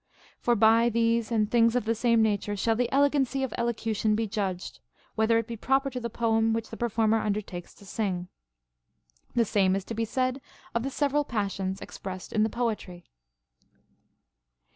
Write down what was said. For by these and things of the same nature shall the elegancy of elocution be judged^ whether it be proper to the poem which the performer un dertakes to sing. The same is to be said of the several passions expressed in the poetry.